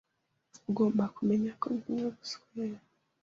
Ugomba kumenya ko ndimo guswera